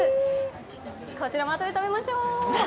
こちらもあとで食べましょう！